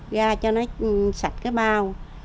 ra cho nó sạch cái bao